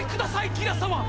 ギラ様！